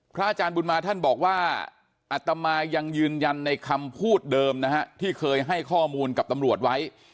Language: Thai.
อาจารย์บุญมาท่านบอกว่าอัตมายังยืนยันในคำพูดเดิมนะฮะที่เคยให้ข้อมูลกับตำรวจไว้